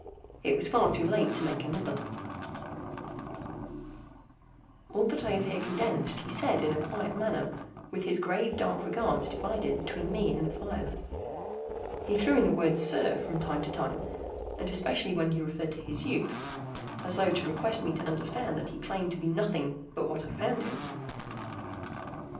It was far too late to make another. [Picture: The signal man] All that I have here condensed he said in a quiet manner, with his grave, dark regards divided between me and the fire. He threw in the word, "Sir," from time to time, and especially when he referred to his youth,—as though to request me to understand that he claimed to be nothing but what I found him.